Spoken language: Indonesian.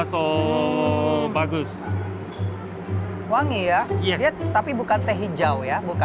sangat wangi tapi bukan teh hijau